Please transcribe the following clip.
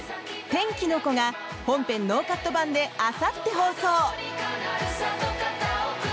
「天気の子」が本編ノーカット版であさって放送。